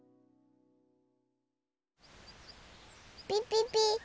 ピピピ。